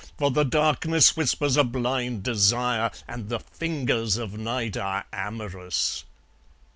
For the darkness whispers a blind desire, And the fingers of night are amorous.